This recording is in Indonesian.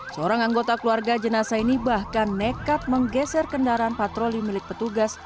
seorang anggota keluarga jenazah ini bahkan nekat menggeser kendaraan patroli milik petugas